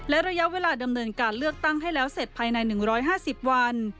และระยะเวลาดำเนินการเลือกตั้งให้แล้วเสร็จภายใน๑๕๐วัน